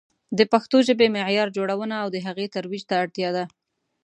د پښتو ژبې معیار جوړونه او د هغې ترویج ته اړتیا ده.